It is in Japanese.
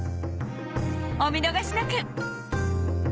お見逃しなく！